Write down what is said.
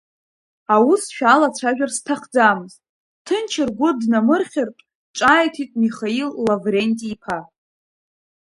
Аус шәалацәажәар сҭахӡамызт, ҭынч, ргәы днамырхьыртә, ҿааиҭит Михаил Лавренти-иԥа.